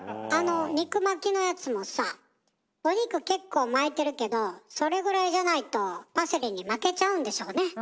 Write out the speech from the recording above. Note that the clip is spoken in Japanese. あの肉巻きのやつもさお肉結構巻いてるけどそれぐらいじゃないとパセリに負けちゃうんでしょうね。